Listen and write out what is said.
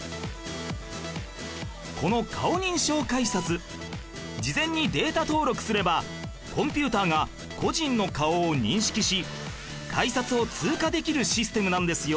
この顔認証改札事前にデータ登録すればコンピューターが個人の顔を認識し改札を通過できるシステムなんですよ